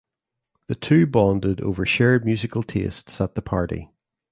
The two bonded over shared musical tastes at the party.